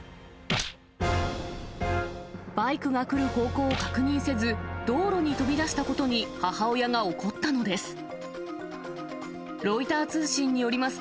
バイクが来る方向を確認せず、道路に飛び出したことに、母親が怒ったのです。